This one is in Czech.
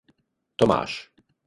Tomáš.